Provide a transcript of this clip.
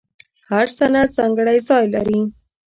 هر سند ځانګړی ځای لري.